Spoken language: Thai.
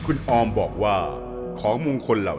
เหมือนเล็บแบบงองเหมือนเล็บตลอดเวลา